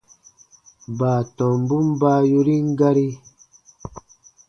Baatɔmbun baa yorin gari.